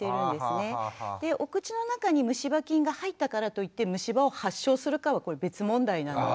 お口の中にむし歯菌が入ったからといってむし歯を発症するかは別問題なので。